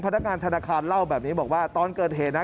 พนักงานธนาคารเล่าแบบนี้บอกว่าตอนเกิดเหตุนะ